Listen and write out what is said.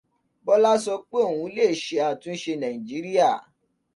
Bọ́lá sọ pé òun leè ṣé àtúnṣe Nàíjíríà.